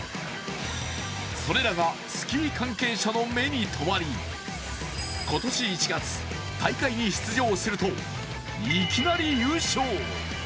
それらがスキー関係者の目に留まり、今年１月、大会に出場するといきなり優勝。